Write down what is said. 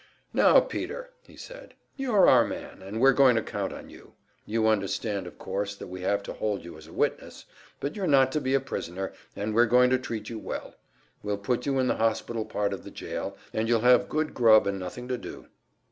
"Now, Peter," he said, "you're our man, and we're going to count on you. You understand, of course, that we have to hold you as a witness, but you're not to be a prisoner, and we're going to treat you well. We'll put you in the hospital part of the jail, and you'll have good grub and nothing to do.